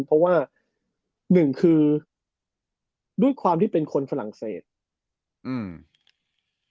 เพราะว่า๑โดยความที่เป็นคนฝั่งเศสวีอร่าเคยโดยเต็มเบรด